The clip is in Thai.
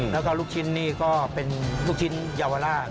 แล้วก็ลูกชิ้นนี่ก็เป็นลูกชิ้นเยาวราช